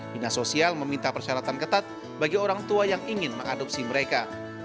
dinas sosial meminta persyaratan ketat bagi orang tua yang ingin mengadopsi mereka